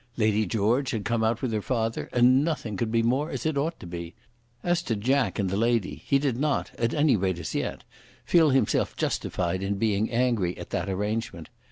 Lady George had come out with her father and nothing could be more as it ought to be. As to "Jack" and the lady he did not, at any rate as yet, feel himself justified in being angry at that arrangement.